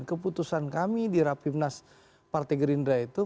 keputusan kami di rapimnas partai gerindra itu